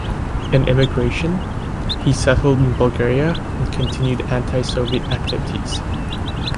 In emigration, he settled in Bulgaria and continued anti-Soviet activities.